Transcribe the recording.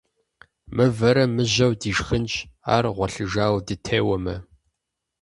Мывэрэ мыжьэу дишхынщ, ар гъуэлъыжауэ дытеуэмэ.